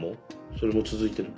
それも続いてる？